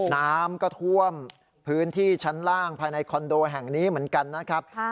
น้ำก็ท่วมพื้นที่ชั้นล่างภายในคอนโดแห่งนี้เหมือนกันนะครับ